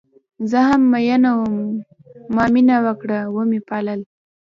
زه هم میینه وم ما مینه وکړه وه مې پالل